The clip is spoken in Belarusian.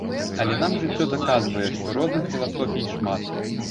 Але нам жыццё даказвае, што розных філасофій шмат.